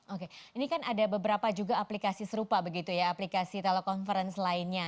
oke ini kan ada beberapa juga aplikasi serupa begitu ya aplikasi telekonferensi lainnya